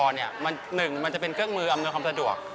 มันจะเป็นเครื่องมืออำนวยความสะดวก